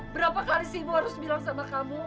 berapa kali sih ibu harus bilang sama kamu